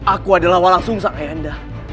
aku adalah walang sungsak ayahanda